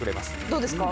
どうですか？